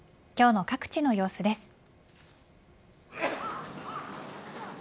今日の各地の様子です。